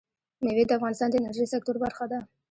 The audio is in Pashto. مېوې د افغانستان د انرژۍ سکتور برخه ده.